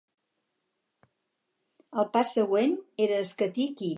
El pas següent era escatir qui.